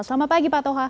selamat pagi pak toha